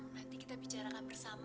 injil allah kita dapat jalan keluarnya bang